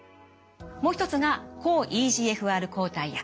もうひとつが抗ＥＧＦＲ抗体薬。